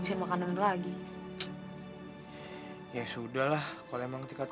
sekarang gue mikir